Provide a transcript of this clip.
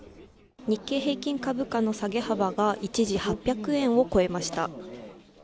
日経平均株価の下げ幅が一時８００円を超えました。